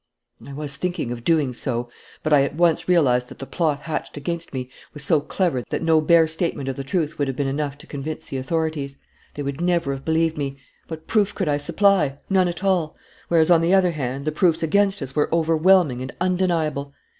"I was thinking of doing so. But I at once realized that the plot hatched against me was so clever that no bare statement of the truth would have been enough to convince the authorities. They would never have believed me. What proof could I supply? None at all whereas, on the other hand, the proofs against us were overwhelming and undeniable.